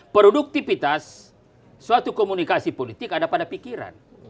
produktivitas suatu komunikasi politik ada pada pikiran